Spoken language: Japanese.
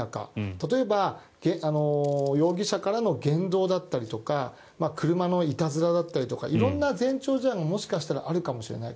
例えば容疑者からの言動だったり車のいたずらだったりとか色んな前兆事案がもしかしたらあるかもしれない。